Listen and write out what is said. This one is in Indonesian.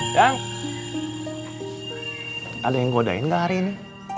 jang ada yang ngodain gak hari ini